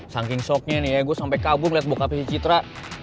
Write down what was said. saking shocknya nih ya gue sampe kabur ngeliat boka pecitra